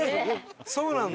そうなんだ。